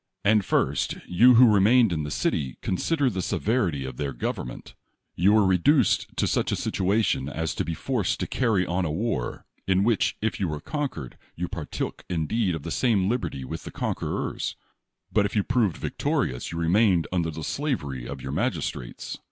And first, you who remained in the city, consider tlie severity of their gov ernment. You were reduced to such a situation as to be forced to carry on a war, in which, if you were conquered, you partook indeed of the same liberty with the conquerers; but if you proved victorious, you remained under the sla very of your magistrates.